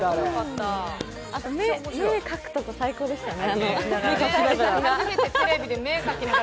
あと、目かくとこ、最高でしたね。